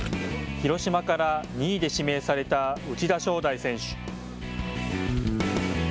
広島から２位で指名された内田湘大選手。